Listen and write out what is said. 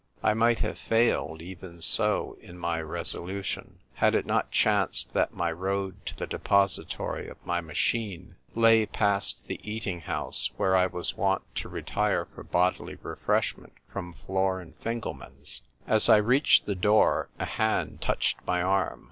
I might have failed, even so, in my resolu tion, had it not chanced that my road to the Depository of my machine lay past the eating house where I was wont to retire for bodily refreshment from Flor and Fingelman's. As I reached the door a hand touched my arm.